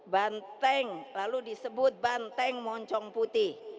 banteng lalu disebut banteng moncong putih